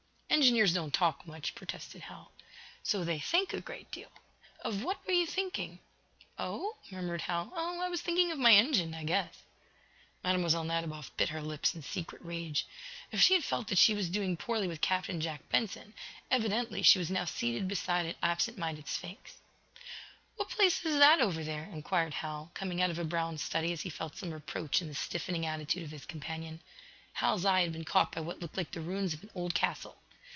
"Engineers don't talk much," protested Hal. "So they think a great deal. Of what were you thinking?" "Oh?" murmured Hal. "Oh, I was thinking of my engine, I guess." Mlle. Nadiboff bit her lips in secret rage. If she had felt that she was doing poorly with Captain Jack Benson, evidently she was now seated beside an absent minded sphinx. "What place is that over there?" inquired Hal, coming out of a brown study as he felt some reproach in the stiffening attitude of his companion. Hal's eye had been caught by what looked like the ruins of an old castle.